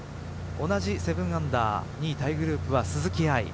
同じ７アンダー２位タイグループは鈴木愛。